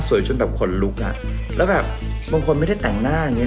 จนแบบขนลุกอ่ะแล้วแบบบางคนไม่ได้แต่งหน้าอย่างเง